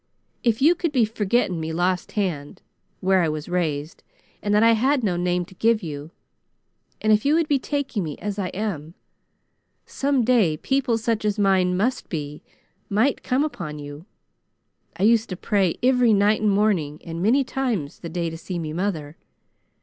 If you could be forgetting me lost hand, where I was raised, and that I had no name to give you, and if you would be taking me as I am, some day people such as mine must be, might come upon you. I used to pray ivery night and morning and many times the day to see me mother.